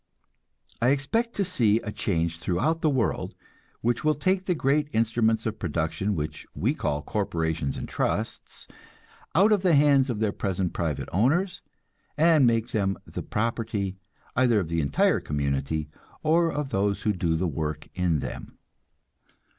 I expect to see a change throughout the world, which will take the great instruments of production which we call corporations and trusts, out of the hands of their present private owners, and make them the property, either of the entire community, or of those who do the work in them.